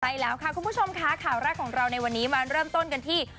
ใช่แล้วค่ะคุณผู้ชมค่ะข่าวแรกของเราในวันนี้มาเริ่มต้นกันที่